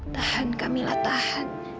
tahan kak mila tahan